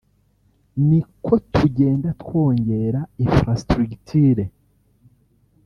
ni ko tugenda twongera infrastructure